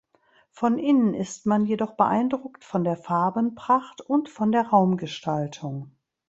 Von innen ist man jedoch beeindruckt von der Farbenpracht und von der Raumgestaltung.